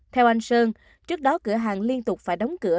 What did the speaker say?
theo anh sơn trước đó cửa hàng liên tục phải đóng cửa